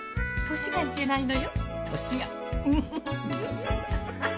年がいけないのよ年が。